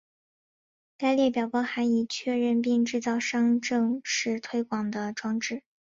该列表包含已确认并制造商正式推出的装置。